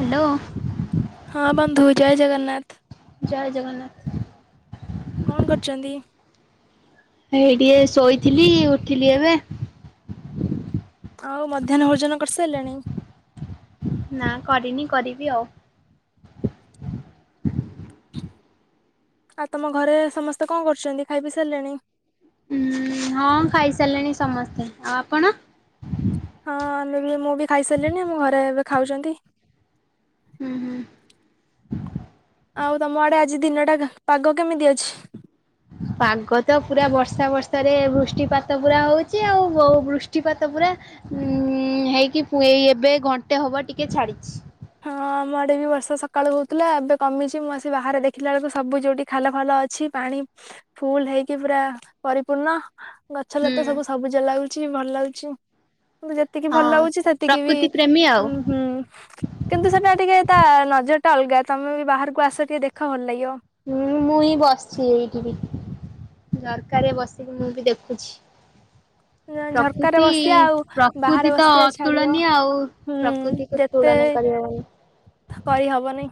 Hello. ହଁ ବନ୍ଧୁ ଜୟ ଜଗନ୍ନାଥ। ଜୟ ଜଗନ୍ନାଥ। କଣ କରୁଛନ୍ତି? ଏଇ ଟିକେ ଶୋଇଥିଲି ଉଠିଲି ଏବେ ଆଉ ମଧ୍ୟାହ୍ନ ଭୋଜନ କରିସାରିଲଣି ନା କରିନି କରିବି ଆଉ ଆଉ ତମ ଘରେ ସମସ୍ତେ କଣ କରୁଛନ୍ତି ଖାଇ ପି ସାରିଲେଣି? ଉ ହଁ ଖାଇସାରିଲେଣି ସମସ୍ତେ ଆଉ ଆପଣ? ହଁ ଆମେ ବି ମୁଁ ବି ଖାଇସାରିଲିଣି ମୁଁ ଘରେ ଏବେ ଖାଉଛନ୍ତି। ହୁଁ ହୁଁ। ଆଉ ତମ ଆଡେ ଆଜି ଦିନଟା ପାଗ କେମିତି ଅଛି? ପାଗ ତ ପୁରା ବର୍ଷା ବର୍ଷାରେ ବୃଷ୍ଟିପାତ ପୁରା ହଉଛି ଆଉ ବୃଷ୍ଟିପାତ ପୁରା ଉଁ ହେଇକି ଏ ଏବେ ଘଣ୍ଟେ ହବ ଟିକେ ଛାଡିଛି। ହଁ ଆମ ଆଡେ ବି ବର୍ଷା ସକାଳୁ ହଉଥିଲା ଏବେ କମିଛି ମୁଁ ଆସି ବାହାରେ ଦେଖିଲା ବେଳକୁ ସବୁ ଯୋଉଠି ଖାଲ ଫାଲ ଅଛି ପାଣି ଫୁଲ ହେଇକି ପୁରା ପରିପୂର୍ଣ୍ଣ। ଗଛ ହୁଁ ଲତା ସବୁ ସବୁଜ ଲାଗୁଛି ଭଲ ଲାଗୁଛି। ଯେତିକି ଭଲ ହଁ ଲାଗୁଛି ସେତିକି ବି ପ୍ରକୃତି ପ୍ରେମୀ ଆଉ। ହୁଁ ହୁଁ କିନ୍ତୁ ସେଟା ଟିକେ ତା ନଜର ଟା ଅଲଗା ତମେ ବି ବାହାରକୁ ଆସ ଟିକେ ଦେଖ ଭଲ ଲାଗିବ। ହୁଁ ମୁଁଇଁ ବସଛି ଏଇ ଟିଭି ଝରକାରେ ବସିକି ମୁଁ ବି ଦେଖୁଛି। ଝରକାରେ ପ୍ରକୃତି ବସିବା ଆଉ ବାହାରେ ପ୍ରକୃତି ତ ବସିବା ଛାଡିବ ଅତୁଳନୀୟ ଆଉ ହୁଁ ପ୍ରକୃତି ଯେତେ ତୁଳନା କରି ହବନି। କରିହବନି।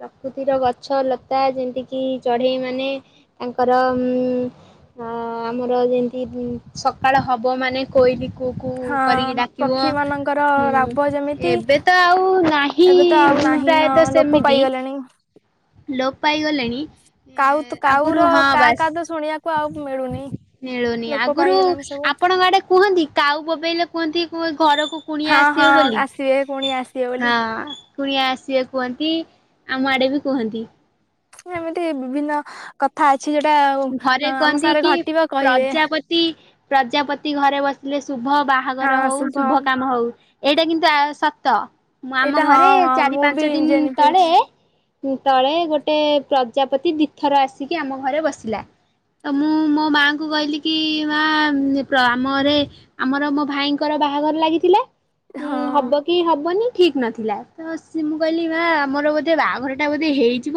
ପ୍ରକୃତିର ଗଛ ଲତା ଯେମତି କିି ଚଢେଇ ମାନେ ତାଙ୍କର ଉ ଅ ଆମର ଯେମିତି ସକାଳ ହବ ମାନେ କୋଇଲି କୁ କୁ ହଁ କରିକି ଡାକିବ ପକ୍ଷୀ ମାନଙ୍କର ହୁଁ ରାବ ଯେମିତି ଏବେ ତ ଆଉ ନାହିଁ। ଏବେ ତ ଆଉ ନାହିଁ ହଁ ପ୍ରାୟତଃ ଲୋପ ସେମିତି। ପାଇଗଲେଣି। ଲୋପ ପାଇଗଲେଣି। କାଉ ଆଗରୁ କାଉର ହଁ କା କା ବାସ୍ ତ ଶୁଣିବାକୁ ଆଉ ମିଳୁନି। ମିଳୁନି ଲୋପ ଆଗରୁ ପାଇଗଲାଣି ସବୁ ଆପଣଙ୍କ ଆଡେ କୁହନ୍ତି କାଉ ବୋବେଇଲେ କୁହନ୍ତି ଘରକୁ କୁଣିଆ ହଁ ହଁ ଆସିବେ ବୋଲି ଆସିବେ ପୁଣି ଆସିବେ ବୋଲି ହଁ। କୁଣିଆ ଆସିବେ କୁହନ୍ତି ଆମ ଆଡ଼େ ବି କୁହନ୍ତି। ଏମିତି ବିଭିନ୍ନ କଥା ଅଛି ଯୋଟା ଘରେ ଆମ କହନ୍ତି ସାର କି ଘଟିବ କହିବେ। ପ୍ରଜାପତି ପ୍ରଜାପତି ଘରେ ବସିଲେ ଶୁଭ ବାହାଘର ହଉ ଶୁଭ କାମ ହଉ ଏଇଟା କିନ୍ତୁ ସତ ମୁଁ ଆମ ଏଇଟା ହଁ ଘରେ ହଁ ଚାରି ମୁଁ ବି ପାଞ୍ଚ ଦିନ ଜାଣିବି ହେଇଛି ତଳେ ତଳେ ଗୋଟେ ପ୍ରଜାପତି ଦିଥର ଆସିକି ଆମ ଘରେ ବସି ଥିଲା ତ ମୁଁ ମୋ ମାଆଙ୍କୁ କହିଲି କି ମା ଆମରେ ଆମର ମୋ ଭାଇଙ୍କର ବାହାଘର ଲାଗିଥିଲେ ଉଁ ହଁ ହବ କି ହେବନି ଠିକ୍ ନଥିଲା ତ ସି ମୁଁ କହିଲି ମା ଆମର ବୋଧେ ବାହାଘରଟା ବୋଧେ ହେଇଯିବ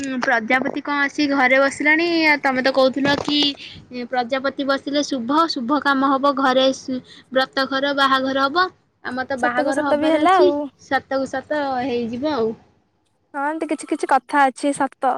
ହୁଁ ପ୍ରଜାପତି କଣ ଆସି ଘରେ ବସିଲାଣି ଆ ତମେ ତ କହୁଥିଲ କି ପ୍ରଜାପତି ବସିଲେ ଶୁଭ ଶୁଭ କାମ ହେବ ଘରେ। ବ୍ରତ ଘର ବାହାଘର ହବ ଆମର ତ ସତକୁ ବାହାଘର ସତ ବି ହବାର ହେଲା ଅଛି। ଆଉ ତାକୁ ସତ ହେଇଯିବ ଆଉ। ହଁ ଏନ୍ତି କିଛି କିଛି କଥା ଅଛି ସତ।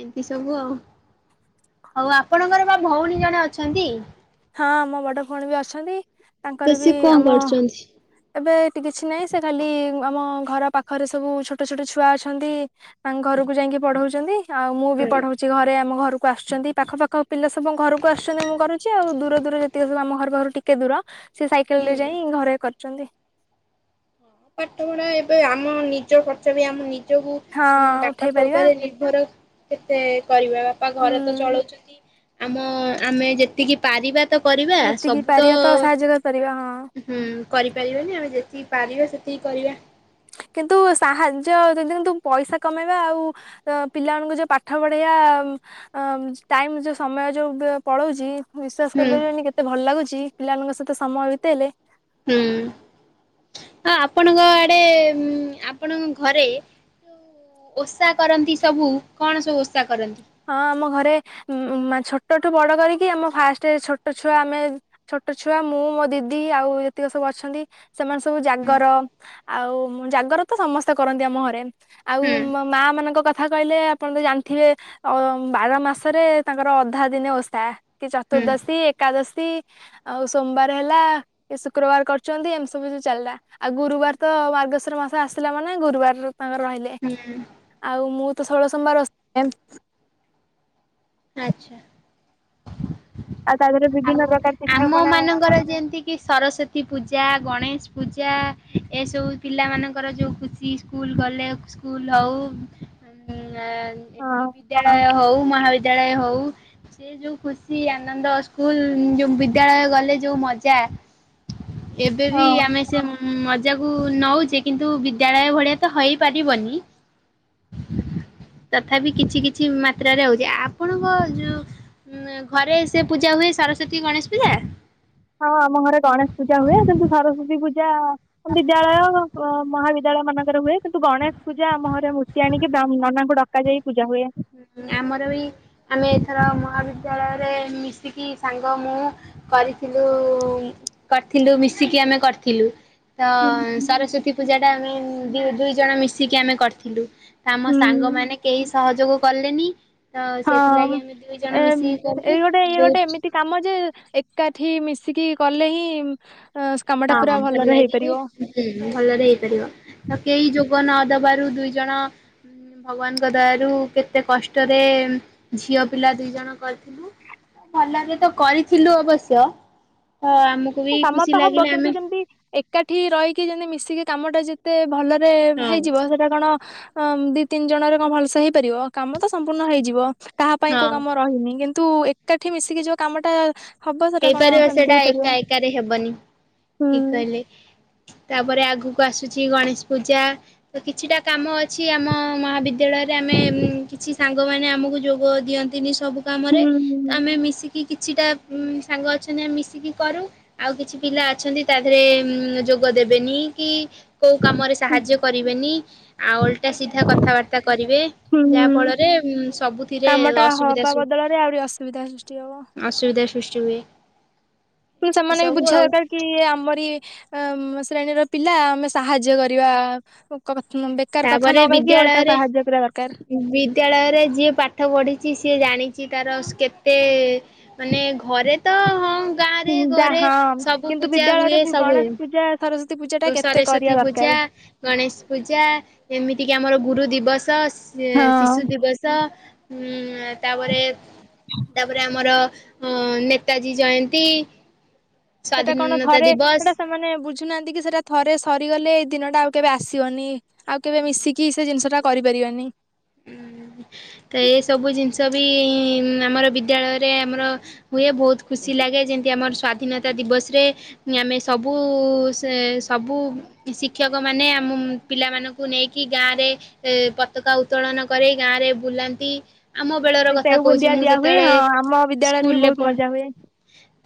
ଏମିତି ସବୁ ଆଉ ହଉ ଆପଣଙ୍କର ବା ଭଉଣୀ ଜଣେ ଅଛନ୍ତି? ହଁ ଆମ ବଡ ଭଉଣୀ ବି ଅଛନ୍ତି ତାଙ୍କର ତ ବି ସିଏ କଣ ଆମ କରୁଛନ୍ତି? ଏବେ ଏଠି କିଛି ନାହିଁ ସେ ଖାଲି ଆମ ଘର ପାଖରେ ସବୁ ଛୋଟ ଛୋଟ ଛୁଆ ଅଛନ୍ତି। ଆ ଘରକୁ ଯାଇକି ପଢଉଛନ୍ତି? ଆଉ ମୁଁ ବି ହୁଁ ପଢଉଛି ଘରେ ଆମ ଘରକୁ ଆସୁଛନ୍ତି ପାଖ ପାାଖ ପିଲା ସବୁ ଘରକୁ ଆସୁଛନ୍ତି ମୁଁ କରୁଛି। ଆଉ ଦୂର ଦୂର ଯେତିକି ସବୁ ଆମ ଘର ବାହାରୁ ଟିକେ ଦୂର ସେ ସାଇକେଲ ରେ ଯାଇ ଘରେ କରିଛନ୍ତି। ପାଠ ପଢା ଏବେ ଆମ ନିଜ ଖର୍ଚ୍ଚ ବି ଆମ ନିଜକୁ ହଁ ଉଠେଇ ବାପାଙ୍କ ପାରିବା ଉପରେ ଘର କେତେ କରିବା ବାପା ହୁଁ ଘର ତ ଚଳଉଛନ୍ତି ଆମ ଆମେ ଯେତିକି ପାରିବା ତ କରିବା ଯେତିକି ସବୁ ତ ପାରିବା ସାହାଯ୍ୟ କରିପାରିବା ହଁ ହୁଁ କରିପାରିବନି ଆମେ ଯେତିକି ପାରିବା ସେତିକି କରିବା। କିନ୍ତୁ ସାହାଯ୍ୟ ଯଦି କିନ୍ତୁ ପଇସା କମେଇବା ଆଉ ତ ପିଲାମାନଙ୍କୁ ଯଉ ପାଠ ପଢ଼େଇଆ ଟାଇମ ଯେଉ ସମୟ ଯୋଉ ପଳାଉଛି ବିଶ୍ଵାସ ହୁଁ କରିପାରିବନି କେତେ ଭଲ ଲାଗୁଛି ପିଲାମାନଙ୍କ ସହିତ ସମୟ ବିତେଇଲେ ହୁଁ ହ ଆପଣଙ୍କ ଆଡେ ଆପଣଙ୍କ ଘରେ ଓଷା କରନ୍ତି ସବୁ କଣ ସବୁ ଓଷା କରନ୍ତି? ହଁ ଆମ ଘରେ ଛୋଟଠୁ ବଡ କରିକି ଆମ ଫାଷ୍ଟ ଛୋଟ ଛୁଆ ଆମେ ଛୋଟ ଛୁଆ ମୁଁ ମୋ ଦିଦି ଆଉ ଏତିକି ସବୁ ଅଛନ୍ତି। ସେମାନେ ସବୁ ହୁଁ ଜାଗର ଆଉ ଜାଗର ତ ସମସ୍ତେ କରନ୍ତି ଆମ ଘରେ ଆଉ ହୁଁ ମା ମାନଙ୍କ କଥା କହିଲେ ଆପଣ ତ ଜାଣିଥିବେ। ବାର ମାସରେ ତାଙ୍କର ଅଧା ଦିନେ ଓଷା କି ହୁଁ ଚତୁର୍ଦ୍ଦଶୀ ଏକାଦଶୀ। ଆଉ ସୋମବାର ହେଲା କି ଶୁକ୍ରବାର କରୁଚନ୍ତି ଏମତି ସବୁ ଜି ଚାଲିଲା। ଆଉ ଗୁରୁବାର ତ ମାର୍ଗଶିର ମାସ ଆସିଲା ମାନେ ଗୁରୁବାର ତାଙ୍କର ରହିଲେ। ହୁଁ ଆଉ ମୁଁ ତ ଷୋଳ ସୋମବାର ଓଷା ଏମିତି ଆଛା ଆଉ ତା ଦେହରେ ବିଭିନ୍ନ ଆଉ ପ୍ରକାର ଆମ ପିଠାପଣା ମାନଙ୍କର ଯେନ୍ତି କି ସରସ୍ଵତୀ ପୂଜା, ଗଣେଶ ପୂଜା ଏସବୁ ପିଲାମାନଙ୍କର ଯେଉଁ ଖୁ କି ସ୍କୁଲ ଗଲେ ସ୍କୁଲ ହଉ ଉଁ ହଁ ଏଠି ବିଦ୍ୟାଳୟ ହଉ ମହାବିଦ୍ୟାଳୟ ହଉ ସେ ଯୋଉ ଖୁସି ଆନନ୍ଦ ସ୍କୁଲ ଯୋଉ ବିଦ୍ୟାଳୟ ଗଲେ ଯୋଉ ମଜା। ଏବେ ବି ହଁ ଆମେ ସେ ମଜାକୁ ନଉଚେ କିନ୍ତୁ ବିଦ୍ୟାଳୟ ଭଳିଆ ତ ହଇ ପାରିବନି। ତଥାପି କିଛି କିଛି ମାତ୍ରାରେ ହଉଛି ଆପ ଆପଣଙ୍କ ଯଉ ଘରେ ସେ ପୂଜା ହୁଏ ସରସ୍ଵତୀ, ଗଣେଶ ପୂଜା ହଁ ଆମ ଘରେ ଗଣେଶ ପୂଜା ହୁଏ କିନ୍ତୁ ସରସ୍ଵତୀ ପୂଜା ବିଦ୍ୟାଳୟ ମହାବିଦ୍ୟାଳୟ ମାନଙ୍କରେ ହୁଏ କିନ୍ତୁ ଗଣେଶ ପୂଜା ଆମ ଘରେ ହେଉଚି। ମୂର୍ତ୍ତି ଆଣିକି ନାନାଙ୍କୁ ଡକା ଯାଇ ପୂଜା ହୁଏ। ଆମର ବି ଆମେ ଏଥର ମହାବିଦ୍ୟାଳୟରେ ମିଶିକି ସାଙ୍ଗ ମୁ କରିଥିଲୁ କରିଥିଲୁ ମିଶିକି ଆମେ କରିଥିଲୁ। ତ ସରସ୍ଵତୀ ପୂଜା ଟା ଆମେ ଦୁଇ ଦୁଇ ଜଣ ମିଶିକି ଆମେ କରିଥିଲୁ। ତ ଆମ ହୁଁ ସାଙ୍ଗମାନେ କେହି ସହଯୋଗ କଲେନି। ତ ହଁ ସେଥିଲାଗି ଆମେ ଦୁଇ ଜଣ ମିଶିକି ଗଲୁ ବହୁତ ଟି କାମ ଯେ ଏକାଠି ମିଶିକି କଲେ ହିଁ ଏ ହଁ କାମଟା ପୁରା ଭଲ ଭଲରେ ଲାଗିବ ହେଇପାରିବ। ହୁଁ ଭଲରେ ହେଇପାରିବ ତ କେହି ଯୁଗ ନଦବାରୁ ଦୁଇ ଜଣ ଭଗବାନଙ୍କ ଦୟାରୁ କେତେ କଷ୍ଟରେ ଝିଅ ପିଲା ଦୁଇ ଜଣ କରିଥିଲୁ। ଭଲରେ ତ କରିଥିଲୁ ଅବଶ୍ୟ ତ ଆମକୁ ବି କାମ ଖୁସି ତ ଲାଗ ହବ କିନ୍ତୁ ଯେମିତି ଏକାଠି ରହିକି ଯେମତି ମିଶିକି କାମଟା ଯେତେ ଭଲରେ ହଁ ହେଇଯିବ ସେ ଥିରେ କଣ ଦି ତିନି ଜଣରେ କଣ ଭଲସେ ହେଇପାରିବ କାମ ତ ସମ୍ପୂର୍ଣ୍ଣ ହେଇଯିବ। କାହା ପାଇଁ କୋଉ ହଁ କାମ ରହିନି କିନ୍ତୁ ଏକାଠି ମିଶିକି ଯୋଉ କାମଟା ହବ ସେଟା କଣ ହେଇପାରିବ ହେମିତି ସେଇଟା ହେଇପାରିବ। ଏକା ଏକାରେ ହେବନି ଠିକ ହୁଁ। କହିଲେ। ତାପରେ ଆଗକୁ ଆସୁଛି ଗଣେଶ ପୂଜା ତ କିଛିଟା କାମ ଅଛି ଆମ ମହାବିଦ୍ୟା ଦ୍ୟାଳୟରେ ଆମେ କିଛି ସାଙ୍ଗମାନେ ଆମକୁ ଯୋଗ ଦିଅନ୍ତିନି ସବୁ କାମରେ ହୁଁ ତ ଆମେ ମିଶି କି କିଛିଟା ସାଙ୍ଗ ଅଛନ୍ତି ଆମେ ମିଶିକି କରୁ। ଆଉ କିଛି ପିଲା ଅଛନ୍ତି ତା ଦେହରେ ଯୋଗ ଦେବେନି କି କୋଉ କାମରେ ହୁଁ ସାହାଯ୍ୟ କରିବେନି ଆଉ ଓଲଟା ସିଧା କଥାବାର୍ତ୍ତା କରିବେ। ହୁଁ ଯାହା ଫଳରେ ସବୁଥିରେ କାମଟା ଅସୁବିଧା ହବା ଶୃ ବଦଳରେ ଆହୁରି ଅସୁବିଧା ସୃଷ୍ଟି ହବ। ଅସୁବିଧା ସୃଷ୍ଟି ହୁଏ। କିନ୍ତୁ ଏମିତି ସେମାନେ ବି ସବୁ ବୁଝିବା ଆଉ ଦରକାର କି ଆମରି ଶ୍ରେଣୀର ପିଲା ଆମେ ସାହାଯ୍ୟ କରିବା। କ ବେକାର କଥା ତାପରେ ନ କହିକି ଓଲଟା ବିଦ୍ୟାଳୟରେ ସାହାଯ୍ୟ କରିବା ଦରକାର। ବିଦ୍ୟାଳୟରେ ଯିଏ ପାଠ ପଢ଼ିଛି ସିଏ ଜାଣିଛି ତାର କେତେ ମାନେ ଘରେ ତ ହଁ। ହୁଁ ଗାଁରେ ଘରେ ଯାହା ସବୁ କିନ୍ତୁ ପୂଜା ବିଦ୍ୟାଳୟରେ ହୁଏ ପୁ ସବୁ ଗଣେଶ ପୂଜା ସରସ୍ଵତୀ ପୂଜା ଟା ହୁଏ କେତେ କରିବା ସରସ୍ଵତୀ ଦରକାର ପୂଜା ଗଣେଶ ପୂଜା ଏମିତିକି ଆମର ଗୁରୁ ଦିବସ, ହଁ ଶିଶୁ ଦିବସ। ଉ ତାପରେ ତାପରେ ଆମର ନେତାଜୀ ଜୟନ୍ତୀ। ସେଟା କଣ ସ୍ଵାଧୀନତା ଘରେ ଦିବସ ସେଟା ସେମାନେ ବୁ ଝୁନାହାନ୍ତି କି ସେଇଟା ଥରେ ସରିଗଲେ ଏ ଦିନଟା ଆଉ କେବେ ଆସିବନି। ଆଉ କେବେ ମିଶିକି ସେ ଜିନିଷଟା କରିପାରିବାନି। ଉଁ, ହୁଁ, ତ ଏଇ ସବୁ ଜିନିଷ ବି ଆମର ବିଦ୍ୟାଳୟରେ ଆମର ହୁଏ, ବହୁତ ଖୁସି ଲାଗେ ଯେମିତି ଆମର ସ୍ଵାଧୀନତା ଦିବସରେ ମି-ଆମେ ସବୁ ସେ ସବୁ ଶିକ୍ଷକ ମାନେ ଆମ ପିଲାମାନଙ୍କୁ ନେଇକି ଗାଁରେ ଏ, ପତକା ଉ ଉତ୍ତୋଳନ କରି ଗାଁରେ ବୁଲନ୍ତି। ଆମ ବେଳର ପୁଣି କଥା ସେଉ କହୁଛି ବୁନ୍ଦିଆ ମୁଁ ଦିଆ ହୁଏ ଯେତେବେଳେ ହଁ ଆମ ବିଦ୍ୟାଳୟରେ ସ୍କୁଲ୍ ବି ରେ ବହୁତ ପଢ ମଜା ହୁଏ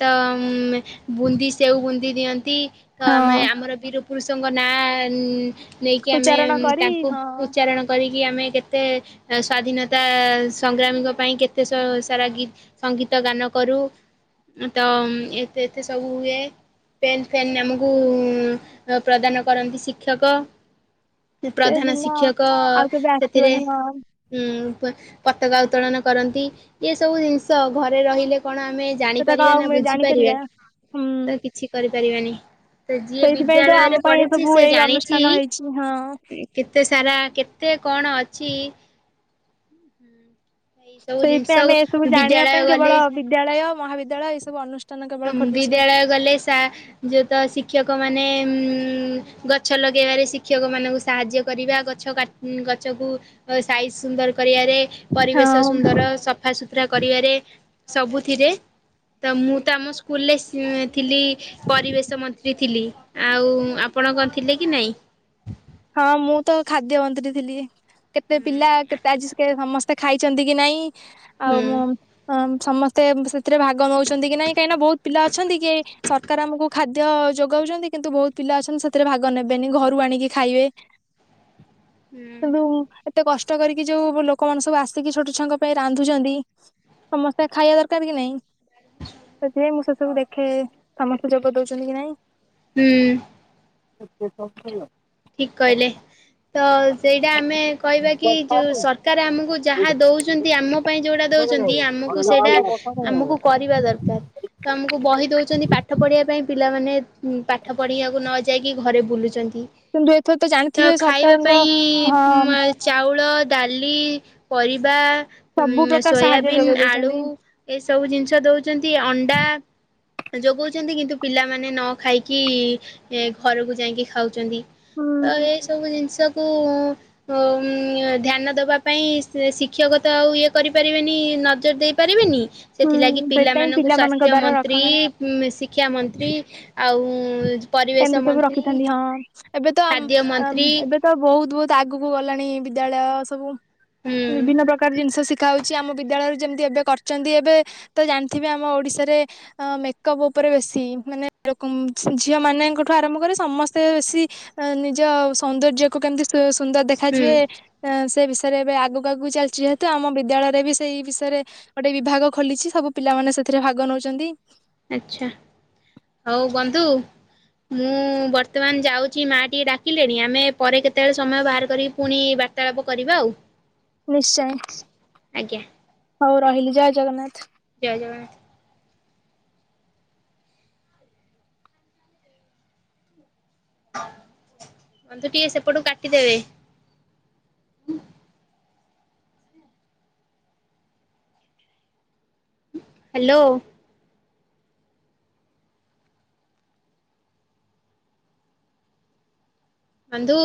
ତ ଉଁ, ବୁନ୍ଦି ସେଉ ବୁନ୍ଦି ଦିଅନ୍ତି, ତ ଆମେ ହଁ ଆମର ବିର ପୁରୁଷଙ୍କ ନାଁ ଉଁ, ନେଇକି ଆମେ ଉଚ୍ଚାରଣ କରି ତାଙ୍କୁ ହଁ ଉଚ୍ଚାରଣ କରିକି ଆମେ କେ ତେ ଏ ସ୍ଵାଧୀନତା ସଂଗ୍ରାମୀଙ୍କ ପାଇଁ କେତେ ସ- ସାରା ଗୀ ସଙ୍ଗୀତ ଗାନ କରୁ ଉଁ, ତ ଏତେ ଏତେ ସବୁ ହୁଏ। ପେନ୍ ଫେନ୍ ଆମକୁ ପ୍ରଦାନ କରନ୍ତି ଶିକ୍ଷକ। ସେ ଇ-ପ୍ରଧାନ ଦିନ ଶିକ୍ଷକ ଆଉ କେବେ ସେଥିରେ ଆସିବନି ହଁ ଉଁ, ପ-ପତାକା ଉତ୍ତୋଳନ କରନ୍ତି ଏସବୁ ଜିନିଷ ଘରେ ରହିଲେ କଣ ଆମେ ସେଟା କଣ ଜାଣିପାରିବା ନା ଆଉ ବୁଝିପାରିବା ଜାଣିପାରିବା ହୁଁ ତ କିଛି କରିପାରିବାନି। ସେ ଯିଏ ସେଇଥିପାଇଁ ତ ଆମ ବିଦ୍ୟାଳୟରେ ପାଇଁ ଏ ପଢିଛି ସବୁ ସେ ଏଇ ଜାଣିଛି ଅନୁଷ୍ଠାନ ଉଁ, ହେଇଛି ହଁ କେତେ ସାରା କେତେ କଣ ଅଛି ଏଇ ସବୁ ଜିନିଷ ସେଇଥିପାଇଁ ଆମ ଏ ସବୁ ଜାଣିବା ବିଦ୍ୟାଳୟ ପାଇଁ ଗଲେ କେବଳ ବିଦ୍ୟାଳୟ ମହାବିଦ୍ୟାଳୟ ଏ ସବୁ ଅନୁଷ୍ ଆମ୍ ବିଦ୍ୟାଳୟ ଗଲେ ସା ଯେତ ଶିକ୍ଷକମାନେ ଉଁ, ଗଛ ଲଗେଇବାରେ ଶିକ୍ଷକମାନଙ୍କୁ ସାହାଯ୍ୟ କରିବା ଗଛ କା ଉଁ, ଗଛକୁ ସାଇଜ୍ ସୁନ୍ଦର କରିବାରେ ପରିବେଶ ହଁ। ସୁନ୍ଦର ସଫା ସୁତୁରା କରିବାରେ ସବୁଥିରେ ତ ମୁଁ ତ ଆମ ସ୍କୁଲ୍ ରେ ସି-ଉଁ, ଥିଲି ପରିବେଶ ମନ୍ତ୍ରୀ ଥିଲି, ଆଉ ଆପଣ କଣ ଥିଲେ କି ନାଇଁ? ହଁ ମୁଁ ତ ଖାଦ୍ୟ ମନ୍ତ୍ରୀ ଥିଲି କେତେ ପିଲା ହୁଁ କେତ୍ ତାଜୀସ୍କେ ସମସ୍ତେ ଖାଇଛନ୍ତି କି ନାଇଁ, ଆଉ ହୁଁ ମୁଁ ହଁ ସମସ୍ତେ ସେଥିରେ ଭାଗ ନଉଛନ୍ତି କି ନାଇଁ, କାହିଁକିନା ବହୁତ୍ ପିଲା ଅଛନ୍ତି କି ସ ରକାର ଆମୁକୁ ଖାଦ୍ୟ ଯୋଗାଉଛନ୍ତି କିନ୍ତୁ ବୋହୁତ ପିଲା ଅଛନ୍ତି ସେଥିରେ ଭାଗ ନେବେନି। ଘରୁ ଆଣି ଖାଇବେ। କିନ୍ତୁ ହୁଁ ଏତେ କଷ୍ଟ କରିକି ଯୋଉ ବୁ- ଲୋକମାନେ ସବୁ ଆସିକି ଛୋଟ ଛୁଆଙ୍କ ପାଇଁ ରାନ୍ଧୁଛନ୍ତି। ସମସ୍ତେ ଖାଇଆ ଦରକାର କି ନାଇଁ? ସେଥିପାଇଁ ମୁଁ ସେସବୁ ଦେଖେ ସମସ୍ତେ ଯୋଗ ଦୋଉଛନ୍ତି କି ନାଇଁ। ହୁଁ। [inaudible] ଠିକ୍ କଇଲେ। ତ ସେଇଟା ଆମେ କହିବା କି ଯୋଉ ସରକାର ଆମୁକୁ ଯାହା ଦୋଉଚନ୍ତି ଆମ ପାଇଁ ଯୋଉଟା ଦୋଉଚନ୍ତି ଆମୁକୁ ସେଇଟା ହଁ। ଆମୁକୁ କରିବା ଦରକାର। ତ ଆମୁକୁ ବହି ଦୋଉଚନ୍ତି ପାଠ ପଢ଼ିବା ପାଇଁ ପିଲାମାନେ ଉଁ, ପାଠ ପଢିବାକୁ ନ ଯାଇକି ଘରେ ବୁଲୁଚନ୍ତି। କିନ୍ତୁ ଏଥର ତ ଜାଣି ତ ଖାଇବା ପାଇଁ ଉଁ, ଏ ଚାଉଳ, ଦାଲି, ପରିବା ଉଁ, ସବୁ ପ୍ରକାର ସାହାଯ୍ୟ ସୋୟାବିନ୍, ଯୋଗେଇ ଆଳୁ ଦଉଛନ୍ତି। ଏସବୁ ଜିନିଷ ଦୋଉଚନ୍ତି, ଅଣ୍ଡା ଯୋଗଉଛନ୍ତି କିନ୍ତୁ ପିଲାମାନେ ନ ଖାଇକି ଏ ଘରୁକୁ ଯାଇଁକି ଖାଉଚନ୍ତି। ତ ହୁଁ ଏ ସବୁ ଜିନିଷ କୁ ଅ, ଉଁ, ଧ୍ୟାନ ଦବା ପାଇଁ ଶି- ଶିକ୍ଷକ ତ ଆଉ ଇଏ କରିପାରିବେନି ନଜର ଦେଇ ପାରିବେନି, ହୁଁ ସେଥିଲାଗି ସେଇଥିପାଇଁ ପିଲାମାନଙ୍କୁ ପିଲାମାନଙ୍କ ସ୍ୱାସ୍ଥ୍ୟ ଦ୍ଵାରା ରଖ ମନ୍ତ୍ରୀ ଉଁ, ଶିକ୍ଷା ମନ୍ତ୍ରୀ ଆଉ ଉଁ, ଏମିତି ପରିବେଶ ସବୁ ମନ୍ତ୍ରୀ ରଖିଥାନ୍ତି ହଁ ଏବେ ତ ଆମ୍ ଖାଦ୍ୟ ଅ, ମନ୍ତ୍ରୀ ଏବେ ତ ବୋହୁତ ବୋହୁତ ଆଗୁକୁ ଗଲାଣି ବିଦ୍ୟାଳୟ ସବୁ, ହୁଁ ବିଭିନ୍ନ ପ୍ରକାର ଜିନିଷ ଶି ଶିଖାହୋଉଛି ଆମ ବିଦ୍ୟାଳୟରେ ଯେମିତି ଏବେ କରିଛନ୍ତି। ଏବେ ତ ଜାଣିଥିବେ ଆମ ଓଡ଼ିଶାରେ ମେକଅପ୍ ଓପରେ ବେଶୀ ମାନେ ଲୋକମ୍ ଝିଅ ଝିଅ ମାନେଙ୍କଠୁ ଆରମ୍ଭ କରି ସମସ୍ତେ ବେଶି ନିଜ ସୌନ୍ଦର୍ଯ୍ୟକୁ କେମିତି ସୁ ସୁନ୍ଦର୍ ହୁଁ ଦେଖାଯିବେ। ଏଁ ସେ ବିଷୟରେ ଏବେ ଆଗୁକୁ ଆଗୁକୁ ଚାଲିଛି ଯେହେତୁ ଆମ ବିଦ୍ୟାଳୟରେ ବି ସେଇ ବିଷୟରେ ଗୋଟେ ବିଭାଗ ଖୋଲିଛି ସବୁ ପିଲାମାନେ ସେଥିରେ ଭାଗ ନଉଚନ୍ତି। ଆଛା ହୋଉ ବନ୍ଧୁ ମୁଁ ବର୍ତ୍ତମାନ୍ ଯାଉଛି ମା ଟିକେ ଡାକିଲେଣି ଆମେ ପରେ କେତେବେଳେ ସମୟ ବାହାର କରିକି ପୁଣି ବା ତ୍ତାଳାପ କରିବା ଆଉ। ନିଶ୍ଚୟ ଆଜ୍ଞା ହଉ ରହିଲି ଜୟ ଜଗନ୍ନାଥ୍। ଜୟ ଜଗନ୍ନାଥ୍। ବନ୍ଧୁ ଟିକେ ସେପଟୁ କାଟିଦେବେ। ହାଲୋ। ବନ୍ଧୁ।